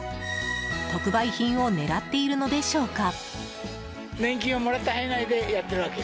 特売品を狙っているのでしょうか。